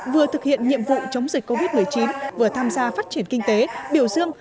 vừa thực hiện nhiệm vụ chống dịch covid một mươi chín vừa tham gia phát triển kinh tế biểu dương